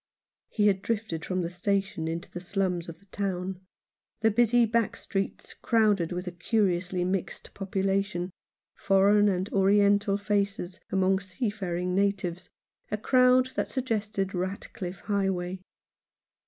He had drifted from the station into the slums of the town — the busy back streets, crowded with a curiously mixed population, foreign and oriental faces among seafaring natives, a crowd that sug gested Ratcliffe Highway.